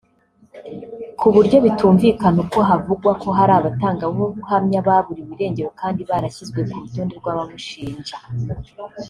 ku buryo bitumvikana uko havugwa ko hari abatangabuhamya baburiwe irengero kandi barashyizwe ku rutonde rw’abamushinja